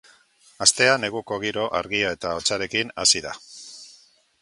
Astea neguko giro argia eta hotzarekin hasi da.